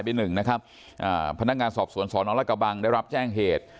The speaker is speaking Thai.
หนึ่งนะครับอ่าพนักงานสอบสวนสอนอรกะบังได้รับแจ้งเหตุ